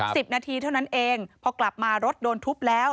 สิบนาทีเท่านั้นเองพอกลับมารถโดนทุบแล้ว